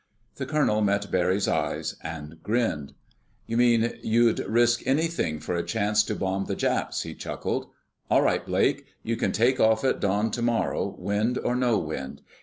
The colonel met Barry's eyes, and grinned. "You mean you'd risk anything for a chance to bomb the Japs," he chuckled. "All right, Blake! You can take off at dawn tomorrow, wind or no wind.